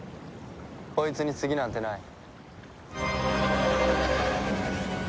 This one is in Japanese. こいつに次なんてない。